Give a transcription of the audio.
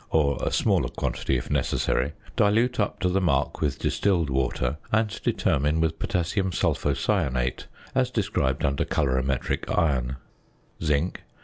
or a smaller quantity (if necessary), dilute up to the mark with distilled water, and determine with potassium sulphocyanate, as described under Colorimetric Iron. ~Zinc.